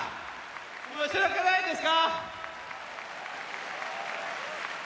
面白くないですか？